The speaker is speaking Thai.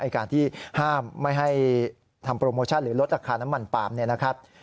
การที่ห้ามไม่ให้ทำโปรโมชั่นหรือลดราคาน้ำมันปาล์มเนี่ยนะครับ